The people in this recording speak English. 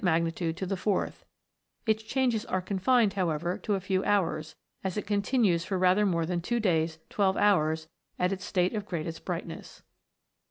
magnitude to the fourth; its changes are confined, however, to a few hours, as it continues for rather more than 2 days 12 hours at its state of greatest brightness.